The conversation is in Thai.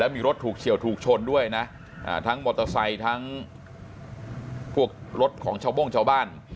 มีรถถูกเฉียวถูกชนด้วยนะทั้งมอเตอร์ไซค์ทั้งพวกรถของชาวโม่งชาวบ้าน